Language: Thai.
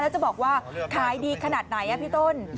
แล้วจะบอกว่าขายดีขนาดไหนพี่ต้น